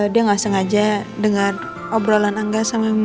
dia ga sengaja denger obrolan angga sama michie